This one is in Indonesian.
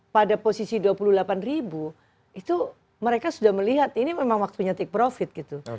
pada posisi dua puluh delapan ribu itu mereka sudah melihat ini memang waktunya take profit gitu